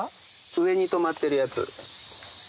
上に止まってるやつ。